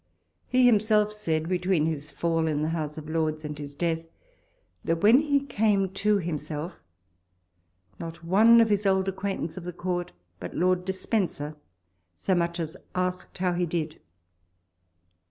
He himself said, between his fall in the House of Lords and his death, that, when he came to himself, not one of his old acquaintance of the Coiirt but Lord Despencer so much as asked how he did.